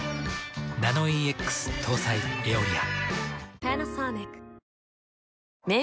ナノイーＸ搭載「エオリア」。